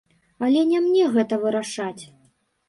Але не мне гэта вырашаць.